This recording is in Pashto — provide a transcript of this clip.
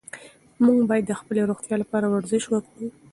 موږ باید د خپلې روغتیا لپاره ورزش وکړو.